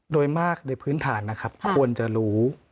โดยมากในพื้นฐานนะครับควรจะรู้